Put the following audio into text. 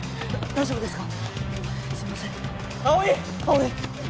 大丈夫ですか？